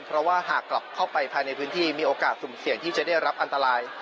เพราะว่าหากกลับเข้าไปภายในพื้นที่มีโอกาสสุ่มเสี่ยงที่จะได้รับอันตราย